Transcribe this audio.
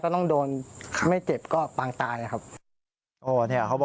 ต้องโดนไม่เจ็บก็ปางตายครับ